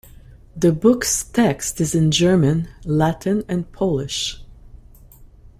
The book's text is in German, Latin and Polish.